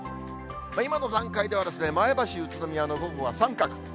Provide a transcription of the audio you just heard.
今の段階では前橋、宇都宮の午後は三角。